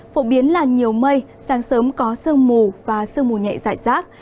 phổ biến là nhiều mây sáng sớm có sương mù và sương mù nhẹ giải rác